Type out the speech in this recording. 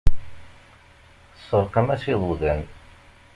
Seṛqem-as iḍudan.